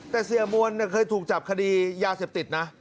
แต่เสียมวลเคยถูกจับคดียาเสพติดนะ